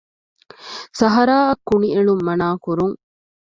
ސަހަރާއަށް ކުނިއެޅުން މަނާ ކުރުން